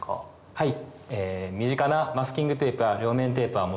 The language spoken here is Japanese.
はい。